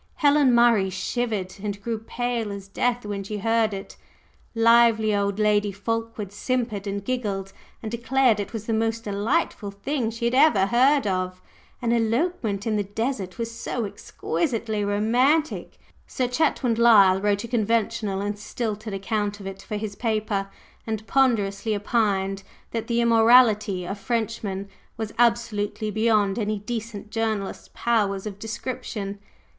Helen Murray shivered and grew pale as death when she heard it; lively old Lady Fulkeward simpered and giggled, and declared it was "the most delightful thing she had ever heard of!" an elopement in the desert was "so exquisitely romantic!" Sir Chetwynd Lyle wrote a conventional and stilted account of it for his paper, and ponderously opined that the immorality of Frenchmen was absolutely beyond any decent journalist's powers of description.